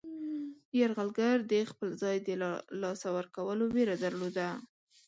یرغلګر د خپل ځای د له لاسه ورکولو ویره درلوده.